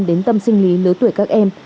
đến tâm sinh lý lứa tuổi các em